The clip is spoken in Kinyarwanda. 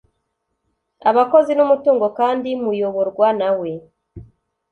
abakozi n umutungo kandi buyoborwa nawe